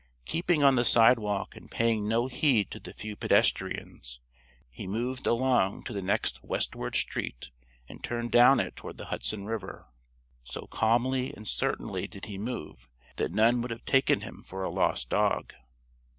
Keeping on the sidewalk and paying no heed to the few pedestrians, he moved along to the next westward street and turned down it toward the Hudson River. So calmly and certainly did he move that none would have taken him for a lost dog.